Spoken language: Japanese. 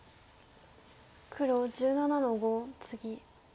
黒１７の五ツギ。